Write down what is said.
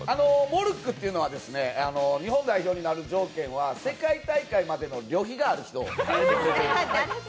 モルックというのは、日本代表になる条件は世界大会までの旅費がある人。